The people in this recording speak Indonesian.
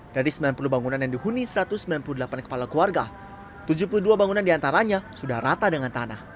dari sembilan puluh bangunan yang dihuni satu ratus sembilan puluh delapan kepala keluarga tujuh puluh dua bangunan diantaranya sudah rata dengan tanah